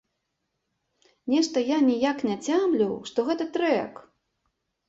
Нешта я ніяк не цямлю, што гэта трэк.